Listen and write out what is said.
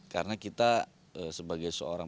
karena kita sebagai seorang